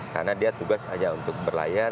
karena dia tugas hanya untuk berlayar